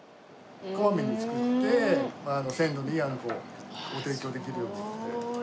こまめに作って鮮度のいいあんこをご提供できるようにって思ってます。